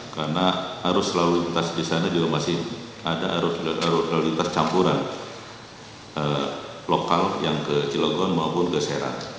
karena arus lauditas di sana juga masih ada arus lauditas campuran lokal yang ke cilogon maupun geseran